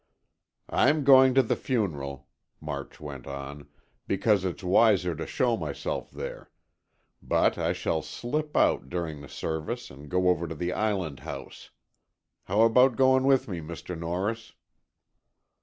"I'm going to the funeral," March went on, "because it's wiser to show myself there. But I shall slip out, during the service, and go over to the island house. How about going with me, Mr. Norris?"